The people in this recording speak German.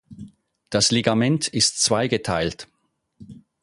Das Ligament ist zweigeteilt.